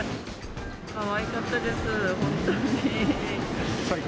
かわいかったです、本当に。